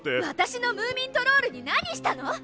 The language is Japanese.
私のムーミントロールに何したの！？